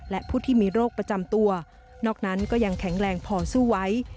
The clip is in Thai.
และผู้ที่มีโรคประจำตัวนอกนั้นก็ยังแข็งแรงพอสู้ไว้